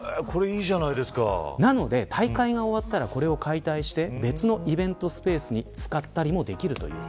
なので大会が終わったらこれを解体して別のイベントスペースに使ったりもできるという。